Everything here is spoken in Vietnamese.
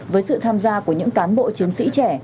với sự tham gia của những cán bộ chiến sĩ trẻ